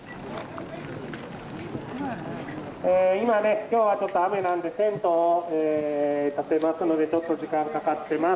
今ね今日はちょっと雨なんでテントを立てますのでちょっと時間かかってます。